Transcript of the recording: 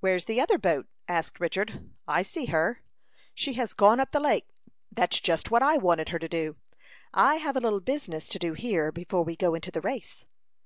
"Where's the other boat?" asked Richard. "I see her; she has gone up the lake. That's just what I wanted her to do. I have a little business to do here before we go into the race."